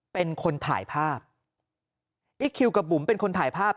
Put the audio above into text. เป็นคนถ่ายภาพอีคคิวกับบุ๋มเป็นคนถ่ายภาพ